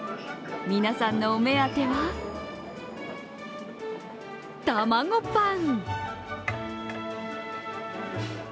皆さんのお目当ては、たまごパン。